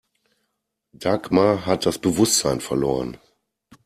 Dagmar hat das Bewusstsein verloren.